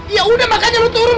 yaudah makanya lu turun